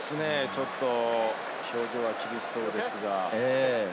ちょっと表情は厳しそうですが。